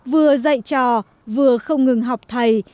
vừa dạy trò vừa không ngừng học thầy